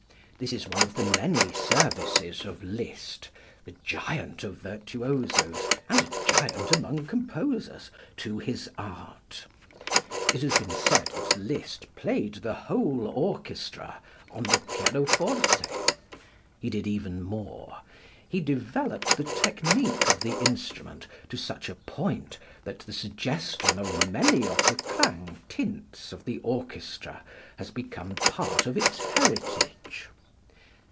This is one of the many services of Liszt, the giant of virtuosos and a giant among composers, to his art. It has been said that Liszt played the whole orchestra on the pianoforte. He did even more. He developed the technique of the instrument to such a point that the suggestion of many of the clang tints of the orchestra has become part of its heritage.